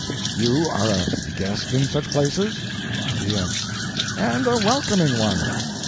You are a GUEST in such places? G.S. And a welcoming one.